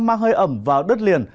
mang hơi ẩm vào đất liền